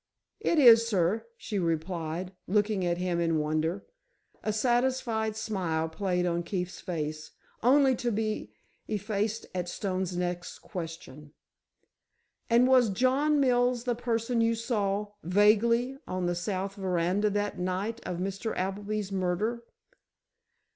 "It is, sir," she replied, looking at him in wonder. A satisfied smile played on Keefe's face, only to be effaced at Stone's next question. "And was John Mills the person you saw—vaguely—on the south veranda that night of Mr. Appleby's murder?"